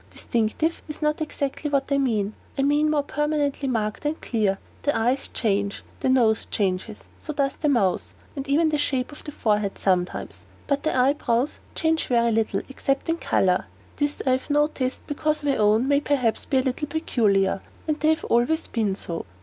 'Distinctive' is not exactly what I mean I mean more permanently marked and clear. The eyes change, the nose changes, so does the mouth, and even the shape of the forehead sometimes; but the eyebrows change very little, except in color. This I have noticed, because my own may perhaps be a little peculiar; and they have always been so.